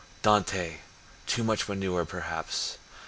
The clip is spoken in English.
Dante, too much manure, perhaps.